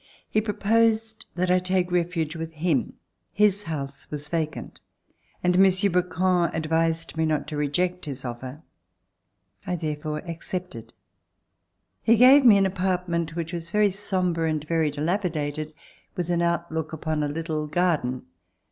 He proposed that I take refuge with him. His house was vacant and Monsieur de Brouquens advised me not to reject his offer. I there fore accepted. He gave me an apartment which was very sombre and very dilapidated, with an outlook upon a little garden.